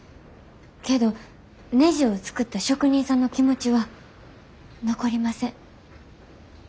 けどねじを作った職人さんの気持ちは残りません。